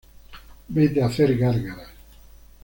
Vete a hacer gárgaras